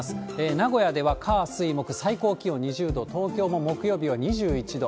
名古屋では火、水、木、最高気温２０度、東京も木曜日は２１度。